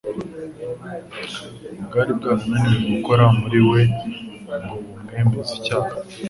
bwari bwarananiwe gukora muri we ngo bumwemeze icyaha.